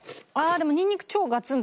でもニンニク超ガツンと！